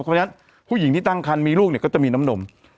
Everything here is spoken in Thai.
เพราะฉะนั้นผู้หญิงที่ตั้งคันมีลูกเนี่ยก็จะมีน้ำนม